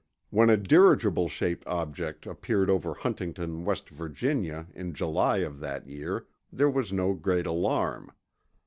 When a dirigible shaped object appeared over Huntington, West Virginia, in July of that year, there was no great alarm.